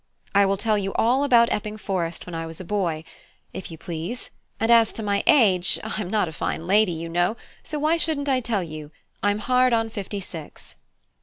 I will tell you all about Epping Forest when I was a boy, if you please; and as to my age, I'm not a fine lady, you know, so why shouldn't I tell you? I'm hard on fifty six."